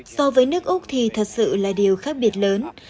so với nước úc thì thật sự là điều khác biệt lớn